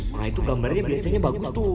nah itu gambarnya biasanya bagus tuh